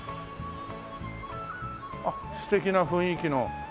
あっ素敵な雰囲気の。